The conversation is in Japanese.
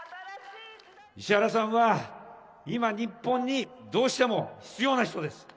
石原さんは今、日本にどうしても必要な人です。